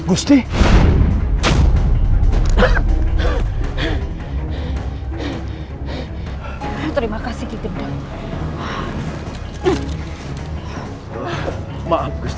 akhirnya aku bertemu denganmu